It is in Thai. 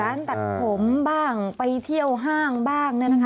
ตัดผมบ้างไปเที่ยวห้างบ้าง